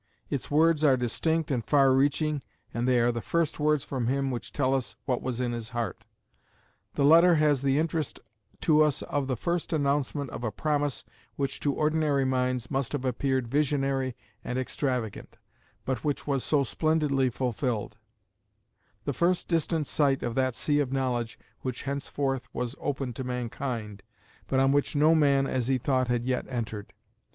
Its words are distinct and far reaching, and they are the first words from him which tell us what was in his heart. The letter has the interest to us of the first announcement of a promise which, to ordinary minds, must have appeared visionary and extravagant, but which was so splendidly fulfilled; the first distant sight of that sea of knowledge which henceforth was opened to mankind, but on which no man, as he thought, had yet entered.